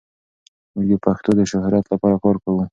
موږ د پښتو د شهرت لپاره کار کوو.